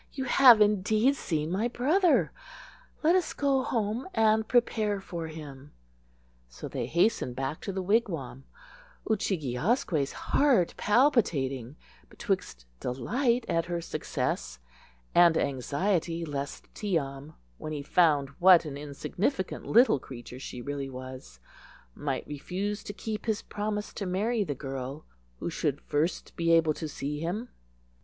"You have indeed seen my brother. Let us go home and prepare for him." So they hasten back to the wigwam, Oo chig e asque's heart palpitating betwixt delight at her success and anxiety lest Tee am, when he found what an insignificant little creature she really was, might refuse to keep his promise to marry the girl who should first be able to see him.